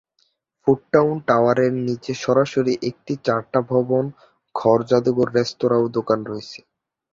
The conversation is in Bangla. ফুট টাউন, টাওয়ারের নিচে সরাসরি একটি চার-টা ভবন, ঘর যাদুঘর, রেস্তোরাঁ ও দোকান রয়েছে।